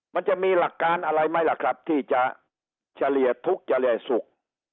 มันจะมีหลักการอะไรไหมล่ะครับที่จะเฉลี่ยทุกข์เฉลี่ยสุข